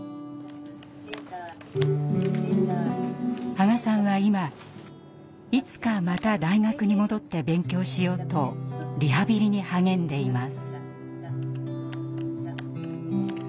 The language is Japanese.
波賀さんは今いつかまた大学に戻って勉強しようとリハビリに励んでいます。